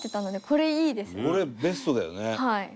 これベストだよね。